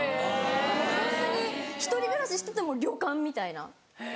ホントに１人暮らししてても旅館みたいな。